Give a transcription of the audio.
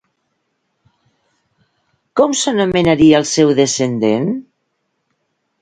Com s'anomenaria el seu descendent?